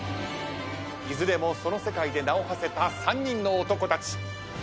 いずれもその世界で名をはせた３人の男たち。